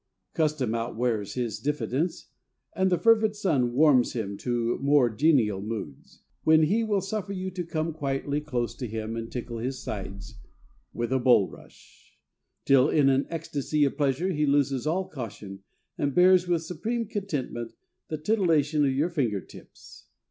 Custom outwears his diffidence, and the fervid sun warms him to more genial moods, when he will suffer you to come quietly quite close to him and tickle his sides with a bullrush, till in an ecstasy of pleasure he loses all caution, and bears with supreme contentment the titillation of your finger tips.